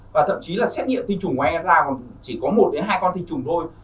và thậm chí là xét nghiệm tinh trùng của anh ta chỉ có một đến hai con tinh trùng thôi